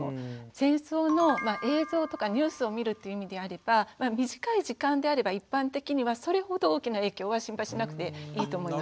戦争の映像とかニュースを見るっていう意味であれば短い時間であれば一般的にはそれほど大きな影響は心配しなくていいと思います。